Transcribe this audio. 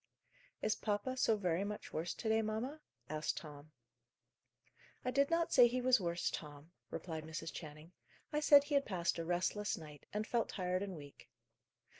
"Is papa so very much worse to day, mamma?" asked Tom. "I did not say he was worse, Tom," replied Mrs. Channing. "I said he had passed a restless night, and felt tired and weak."